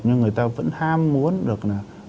nhưng người ta vẫn ham muốn được